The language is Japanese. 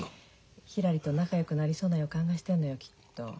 ひらりと仲よくなりそうな予感がしてるのよきっと。